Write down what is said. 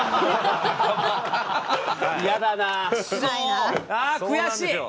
ああ悔しい！